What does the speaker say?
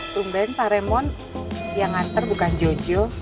tungguin pak remon yang nganter bukan jojo